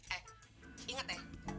eh inget ya